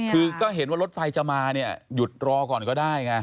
คือก็เห็นว่ารถไฟจะมาเนี่ยหยุดรอก่อนก็ได้ไง